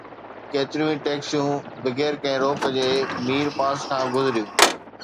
ڪيتريون ئي ٽئڪسيون بغير ڪنهن روڪ جي مير پاس کان گذريون